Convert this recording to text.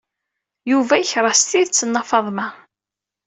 Yuba yekreh s tidet Nna Faḍma.